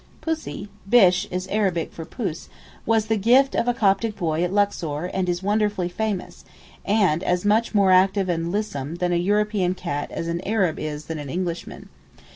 Pussy ('Bish' is Arabic for puss) was the gift of a Coptic boy at Luxor, and is wondrous funny, and as much more active and lissom than a European cat as an Arab is than an Englishman.